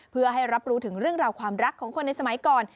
เพื่อให้รับรู้ถึงเรื่องราวความรักของคนในสมัยก่อน